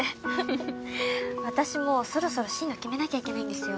私もそろそろ進路決めなきゃいけないんですよ。